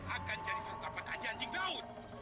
akan jadi sepapet aja anjing laut